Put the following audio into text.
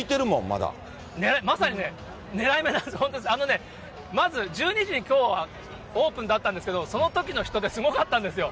ね、まさにね、ねらい目、本当に、あのね、まず１２時にきょうはオープンだったんですけど、そのときの人出、すごかったんですよ。